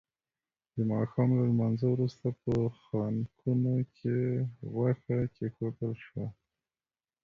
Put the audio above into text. د ماښام له لمانځه وروسته په خانکونو کې غوښه کېښودل شوه.